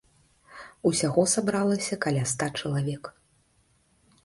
Усяго сабралася каля ста чалавек.